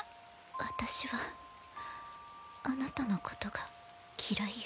私はあなたのことが嫌いよ。